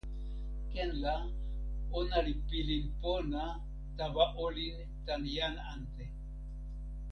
ken la, ona li pilin pona tawa olin tan jan ante.